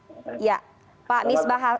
selamat sore pak misbah